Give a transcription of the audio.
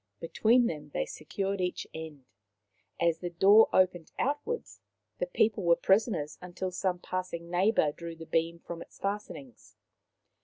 Between them they secured each end As the door opened outwards, the people were prisoners until some passing neighbour drew the beam from its fastenings.